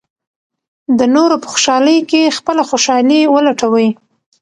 د نورو په خوشالۍ کې خپله خوشالي ولټوئ.